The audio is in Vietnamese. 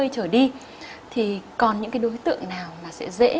ba mươi trở đi thì còn những cái đối tượng nào mà sẽ dễ